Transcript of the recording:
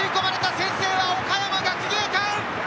先制は岡山学芸館！